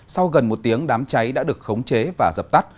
sau gần một tiếng đám cháy đã được khống chế và dập tắt